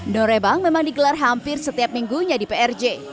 norebang memang digelar hampir setiap minggunya di prj